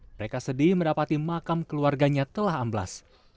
mereka sedih mendapati makam keluarganya telah amblas